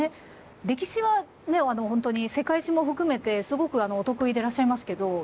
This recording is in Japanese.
歴史は本当に世界史も含めてすごくお得意でいらっしゃいますけど。